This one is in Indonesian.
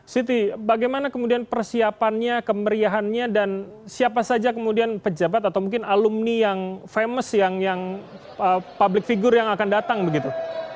siti bagaimana kemudian persiapannya kemeriahannya dan siapa saja kemudian pejabat atau mungkin alumni yang famis yang public figure yang akan datang begitu